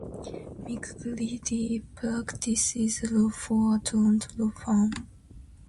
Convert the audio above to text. McCreadie practices law for a Toronto law firm.